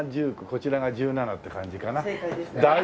こちらが１７って感じかな。